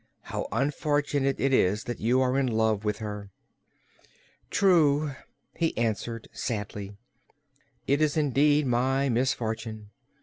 How unfortunate it is that you are in love with her!" "True," he answered sadly, "it is indeed my misfortune.